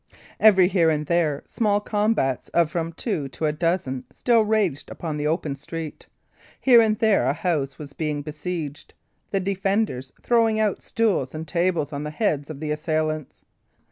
Every here and there small combats of from two to a dozen still raged upon the open street; here and there a house was being besieged, the defenders throwing out stools and tables on the heads of the assailants.